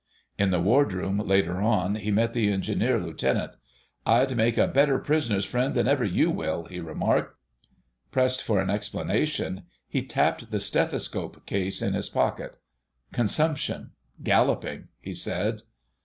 In the Wardroom later on he met the Engineer Lieutenant. "I'd make a better Prisoner's Friend than ever you will," he remarked. Pressed for an explanation, he tapped the stethoscope case in his pocket. "Consumption—galloping," he said.